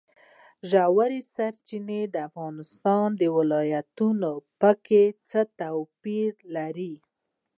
ژورې سرچینې د افغانستان د ولایاتو په کچه توپیر لري.